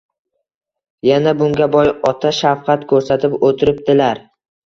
Yana bunga boy ota shafqat ko‘rsatib o‘tiribdilar.